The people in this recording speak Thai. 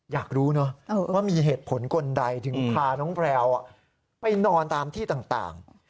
อยากรู้เนอะว่ามีเหตุผลคนใดถึงพาน้องแพลวไปนอนตามที่ต่าง